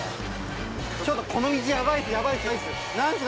ちょっとこの道やばいですやばいですやばいです。